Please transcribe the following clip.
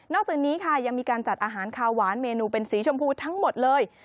จากนี้ค่ะยังมีการจัดอาหารคาวหวานเมนูเป็นสีชมพูทั้งหมดเลย